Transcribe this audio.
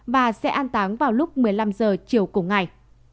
và sẽ an táng vào lúc một mươi năm h chiều cùng ngày